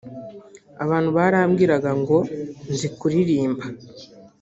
Abantu barambwiraga ngo nzi kuririmba